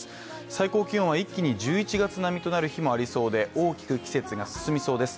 最高気温は一気に１１月並みとなりそうで季節が進みそうです。